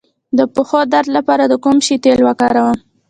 د پښو درد لپاره د کوم شي تېل وکاروم؟